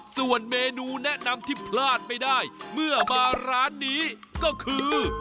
ส่วนเมนูแนะนำที่พลาดไม่ได้เมื่อมาร้านนี้ก็คือ